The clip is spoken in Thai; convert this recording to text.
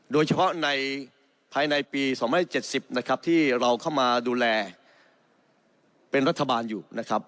โดยเฉพาะในภายในปี๒๐๗๐นะครับที่เราเข้ามาดูแลเป็นรัฐบาลอยู่นะครับ